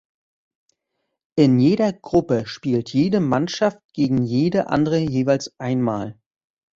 In jeder Gruppe spielt jede Mannschaft gegen jede andere jeweils ein Mal.